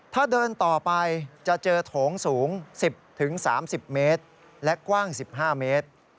ถ้าเดินต่อไปจะเจอโถงสูง๑๐๓๐เมตรและกว้าง๑๕เมตร